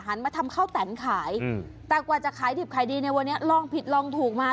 มาทำข้าวแตนขายแต่กว่าจะขายดิบขายดีในวันนี้ลองผิดลองถูกมา